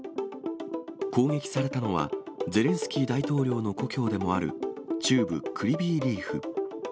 攻撃されたのは、ゼレンスキー大統領の故郷でもある、中部クリビーリーフ。